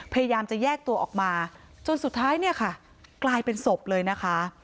พยายามจะแยกตัวออกมาจนสุดท้ายเนี่ยค่ะกลายเป็นศพเลยนะคะ